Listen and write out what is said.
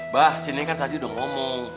abah si neng kan tadi sudah ngomong